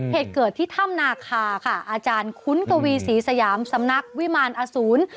เหตุเกิดที่ถ้ำนาคาค่ะอาจารย์คุ้นกวีศรีสยามสำนักวิมารอสูร